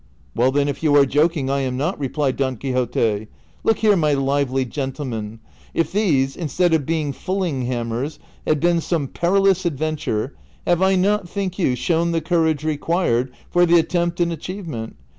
"Well, then, if you are joking I am not," replied Don Quixote. " Look here, my lively gentleman, if these, instead of being fulling hammers, had been some perilous adventure, have I not, think yoii, shown the courage required for the at tempt and achievement